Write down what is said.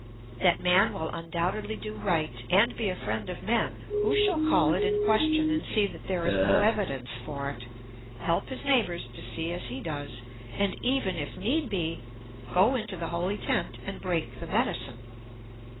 That man will undoubtedly do right, and be a friend of men, who shall call it in question and see that there is no evidence for it, help his neighbours to see as he does, and even, if need be, go into the holy tent and break the medicine.